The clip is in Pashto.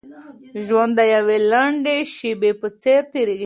ژوند د يوې لنډې شېبې په څېر تېرېږي.